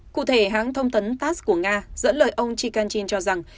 cụ thể hãng thông tấn tass của nga dẫn lời ông chikanchin cho rằng